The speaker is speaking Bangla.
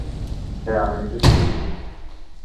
হ্যাঁ, আমি নিজে থেকেই সুন্দর।